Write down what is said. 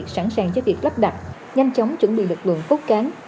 sẵn sàng cho việc lắp đặt nhanh chóng chuẩn bị lực lượng cốt cán